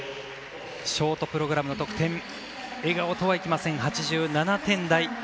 ショートプログラムの得点笑顔とはいきません、８７点台。